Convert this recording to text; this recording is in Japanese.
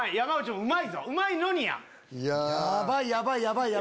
うまい！